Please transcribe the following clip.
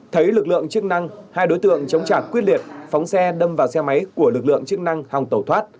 thấy lực lượng chức năng hai đối tượng chống trả quyết liệt phóng xe đâm vào xe máy của lực lượng chức năng hòng tẩu thoát